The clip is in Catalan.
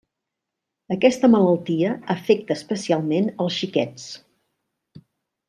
Aquesta malaltia afecta especialment els xiquets.